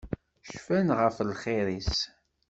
Cfan ɣef lxiṛ-is.